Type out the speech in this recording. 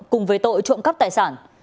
cùng với tội trộm các tài sản